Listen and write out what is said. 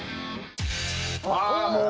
ああもう。